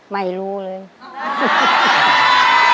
ไม่รู้เลย